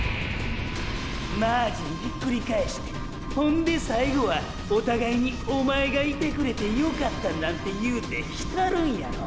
マージンひっくり返してほんで最後はお互いに「お前がいてくれてよかった」なんて言うて浸るんやろ。